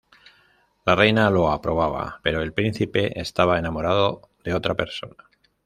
La Reina lo aprobaba, pero el príncipe estaba enamorado de otra persona.